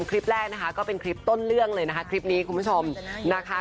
คลิปแรกนะคะก็เป็นคลิปต้นเรื่องเลยนะคะคลิปนี้คุณผู้ชมนะคะ